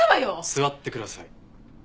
座ってください。